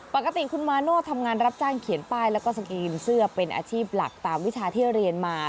ปกติคุณมาโน่ทำงานรับจ้างเขียนป้ายแล้วก็สกรีนเสื้อเป็นอาชีพหลักตามวิชาที่เรียนมา